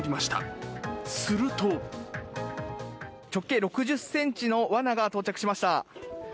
直径６０ｃｍのわなが到着しました。